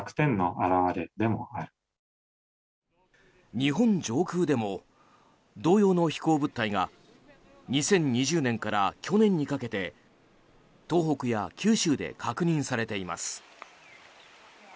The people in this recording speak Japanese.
日本上空でも同様の飛行物体が２０２０年から去年にかけて東北や九州で確認されています。